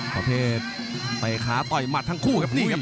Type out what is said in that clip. ประเภทใต้ค้าต่อยหมัดทั้งคู่ครับ